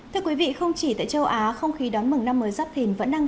thưa quý vị không chỉ tại châu á không khí đón mừng năm mới giáp hình